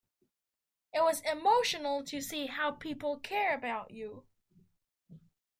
It was emotional to see how people care about you.